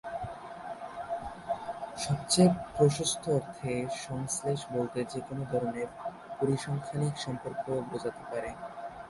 সবচেয়ে প্রশস্ত অর্থে "সংশ্লেষ" বলতে যেকোনও ধরনের পরিসংখ্যানিক সম্পর্ককে বোঝাতে পারে।